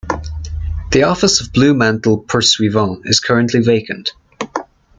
The office of Bluemantle Pursuivant is currently vacant.